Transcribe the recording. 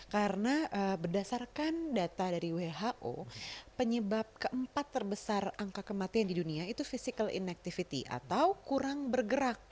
karena berdasarkan data dari who penyebab keempat terbesar angka kematian di dunia itu physical inactivity atau kurang bergerak